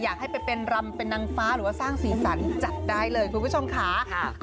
อยากให้ไปเป็นรำเป็นนางฟ้าหรือว่าสร้างสีสันจัดได้เลยคุณผู้ชมค่ะ